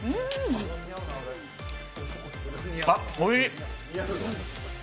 あっ、おいしい。